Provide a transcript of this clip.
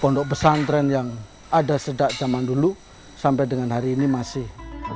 pondok pesantren yang ada sejak zaman dulu sampai dengan hari ini masih